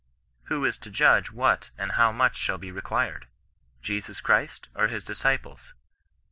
Who is to judge what and how much shall be required ! Jesus Christ or his disciples